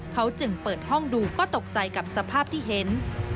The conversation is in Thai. เขาจึงเปิดห้องดูก็ตกใจกับสภาพที่เห็น